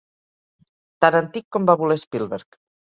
Tan antic com va voler Spielberg.